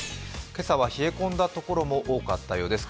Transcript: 今朝は冷え込んだところも多かったようです。